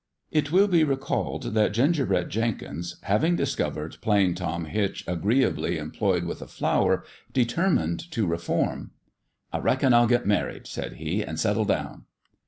It will be recalled that Gingerbread Jenkins, having discovered Plain Tom Hitch agreeably employed with a flower, determined to reform. " I reckon I'll get married," said he, "an' settle down."